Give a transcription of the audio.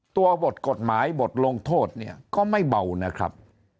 ตัวบทกฎหมายบทลงโทษเนี่ยก็ไม่เบานะครับ